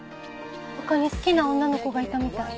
他に好きな女の子がいたみたい。